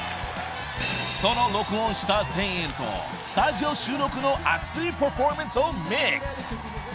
［その録音した声援とスタジオ収録の熱いパフォーマンスをミックス］